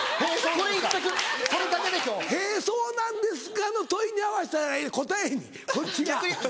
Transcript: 「へぇそうなんですか」の問いに合わせたらええ答えにこっちが。